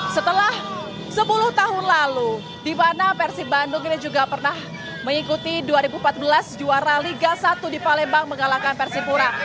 setelah sepuluh tahun lalu di mana persib bandung ini juga pernah mengikuti dua ribu empat belas juara liga satu di palembang mengalahkan persipura